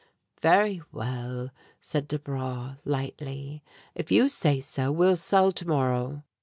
"Very well," said Desbra, lightly, "if you say so, we'll sell to morrow."